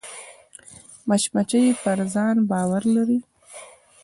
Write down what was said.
مچمچۍ پر ځان باور لري